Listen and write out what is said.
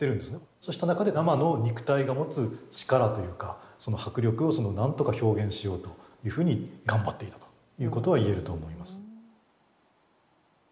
そうした中で生の肉体が持つ力というかその迫力を何とか表現しようというふうに頑張っているということは言えると思います。